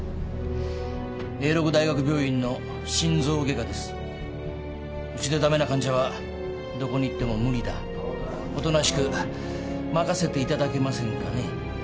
永禄大学病院の心臓外科ですウチでダメな患者はどこに行ってもムリだおとなしく任せていただけませんかね？